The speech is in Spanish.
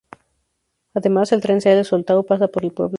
Además, el tren Celle–Soltau pasa por el pueblo.